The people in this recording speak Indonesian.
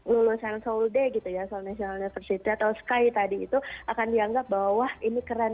lulusan soul d gitu ya soal national university atau sky tadi itu akan dianggap bahwa ini keren